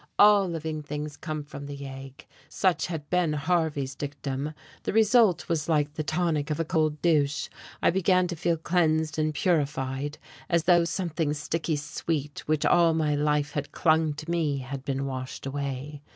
"All living things come from the egg," such had been Harvey's dictum. The result was like the tonic of a cold douche. I began to feel cleansed and purified, as though something sticky sweet which all my life had clung to me had been washed away.